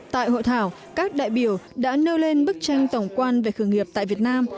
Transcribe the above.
tại hội thảo các đại biểu đã nêu lên bức tranh tổng quan về khởi nghiệp tại việt nam